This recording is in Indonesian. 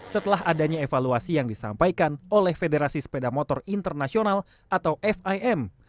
setelah adanya evaluasi yang disampaikan oleh federasi sepeda motor internasional atau fim